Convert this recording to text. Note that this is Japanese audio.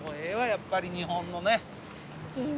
やっぱり日本のね。